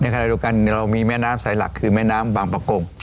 ในคาราดูกันเรามีแม่น้ำใส่หลักคือแม่น้ำบางปะโก่ง